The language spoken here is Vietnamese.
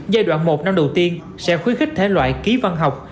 giai đoạn một năm đầu tiên sẽ khuyến khích thể loại ký văn học